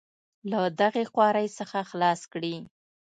له دغې خوارۍ څخه خلاص کړي.